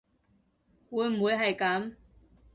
會唔會係噉